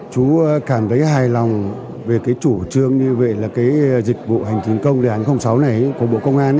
chú cảm thấy hài lòng về cái chủ trương như vậy là cái dịch vụ hành chính công đề án sáu này của bộ công an